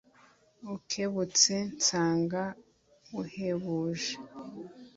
ukebutse nsanga uhebuje